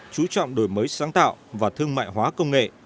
chú trọng đổi mới sáng tạo và thương mại hóa công nghệ